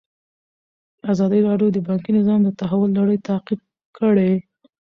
ازادي راډیو د بانکي نظام د تحول لړۍ تعقیب کړې.